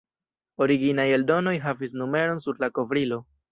Originaj eldonoj havis numeron sur la kovrilo.